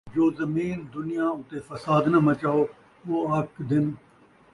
جو زمین دُنیا اُتے فساد نہ مچاؤ تاں او آکھدِن،